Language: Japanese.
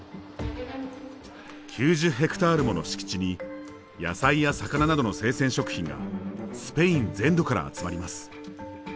９０ヘクタールもの敷地に野菜や魚などの生鮮食品がスペイン全土から集まります。